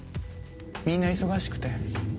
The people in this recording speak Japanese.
みんな忙しくて。